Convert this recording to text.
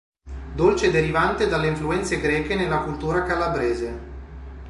Dolce derivante dalle influenze greche nella cultura calabrese.